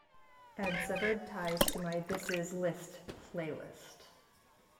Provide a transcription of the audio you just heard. Add severed ties to my this is liszt playlist.